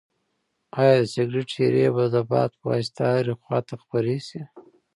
ایا د سګرټ ایرې به د باد په واسطه هرې خواته خپرې شي؟